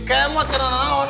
kemot kena lawan